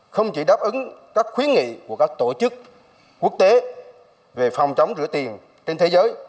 không chỉ đáp ứng các khuyến nghị của các tổ chức quốc tế về phòng chống rửa tiền trên thế giới